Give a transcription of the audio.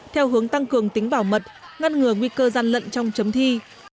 theo hướng tăng cường tính bảo mật ngăn ngừa nguy cơ gian lận trong chấm thi